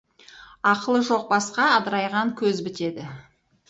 Ақылы жоқ басқа адырайған көз бітеді.